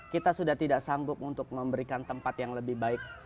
kita sudah tidak sanggup untuk memberikan tempat yang lebih baik